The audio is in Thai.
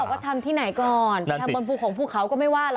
ถึงบอกว่าทำที่ไหนก่อนทำบนภูมิของผู้เขาก็ไม่ว่าหรอก